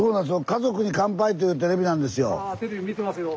「家族に乾杯」っていうテレビなんですよ。